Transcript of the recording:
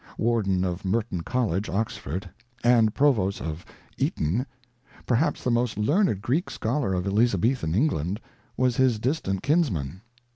Warden of Merton College, Oxford, and Provost of Eton, perhaps the most learned Greek scholar of Elizabethan England, was his distant kinsman.